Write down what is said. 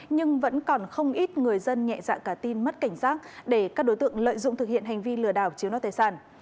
nhưng vẫn còn không ít người dân nhẹ dạ cả tin mất cảnh giác để các đối tượng lợi dụng thực hiện hành vi lừa đảo chiếu nọ tài sản